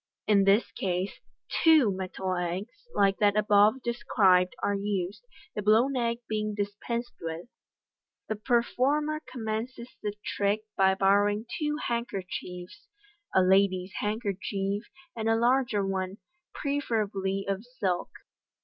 In this case, two metal eggs, like that above described, are used, the blown egg being dis pensed with. The performer commences the trick by borrowing two handkerchiefs, a lady's handkerchief, and a larger one, preferably of silk.